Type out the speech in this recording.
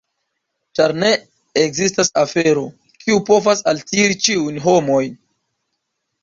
Ĉar ne ekzistas afero, kiu povas altiri ĉiujn homojn.